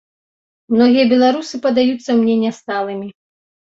Многія беларусы падаюцца мне нясталымі.